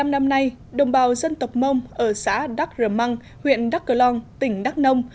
một mươi năm năm nay đồng bào dân tộc mông ở xã đắc rờ măng huyện đắc cờ long tỉnh đắk nông